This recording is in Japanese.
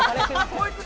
こいつが！